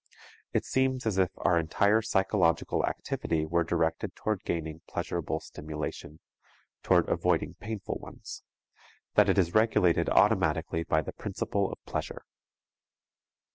It seems as if our entire psychological activity were directed toward gaining pleasurable stimulation, toward avoiding painful ones; that it is regulated automatically by the principle of pleasure.